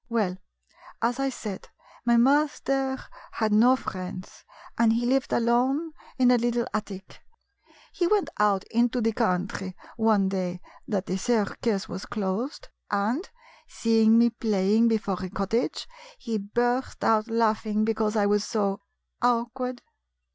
Well, as I said, my master had no friends, and he lived alone in a little attic. He went out into the country, one day that the circus was closed, and, seeing me play ing before a cottage, lie burst out laughing be cause I was so —" "Awkward